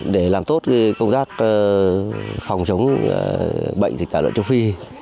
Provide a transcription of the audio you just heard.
để làm tốt công tác phòng chống bệnh dịch tả lợn châu phi